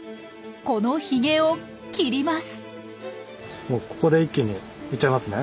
このヒゲを切ります。